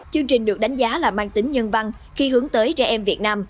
chương trình được đánh giá là mang tính nhân văn khi hướng tới trẻ em việt nam